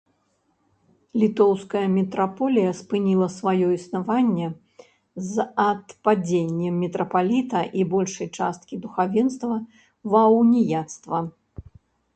Літоўская мітраполія спыніла сваё існаванне з адпадзеннем мітрапаліта і большай часткі духавенства ва ўніяцтва.